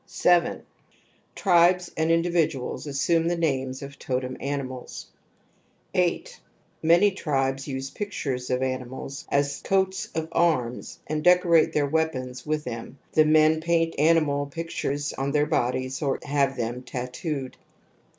• 7. Tribes and individuals assume the names \ of totem animals. \ 8. Many tribes use pictures of animals as coats of arms and decorate their weapons with them ; the men paint animal pictures on their bodies or have them tattooed.